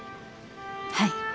はい。